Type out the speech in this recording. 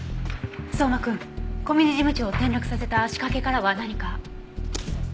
相馬くん小嶺事務長を転落させた仕掛けからは何か？